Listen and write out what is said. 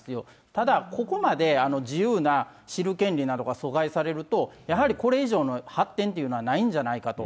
ただ、ここまで自由な知る権利などが阻害されると、やはりこれ以上の発展というのはないんじゃないかと。